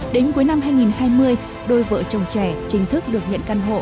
đến cuối năm hai nghìn hai mươi đôi vợ chồng trẻ chính thức được nhận căn hộ